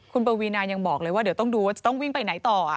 คุณปวีนายังบอกเลยว่าเดี๋ยวต้องดูว่าจะต้องวิ่งไปไหนต่อ